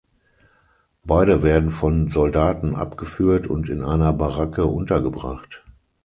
Beide werden von Soldaten abgeführt und in einer Baracke untergebracht.